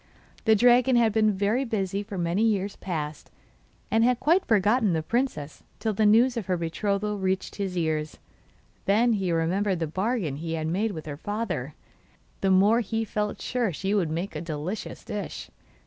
The dragon had been very busy for many years past, and had quite forgotten the princess till the news of her betrothal reached his ears. Then he remembered the bargain he had made with her father; and the more he heard of Muffette the more he felt sure she would make a delicious dish.